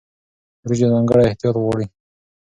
وریجې ځانګړی احتیاط غواړي.